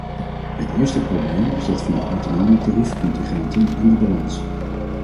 Het eerste probleem is dat van de autonome tariefcontingenten en de balans.